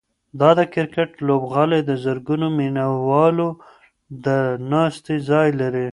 دا د کرکټ لوبغالی د زرګونو مینه والو د ناستې ځای لري.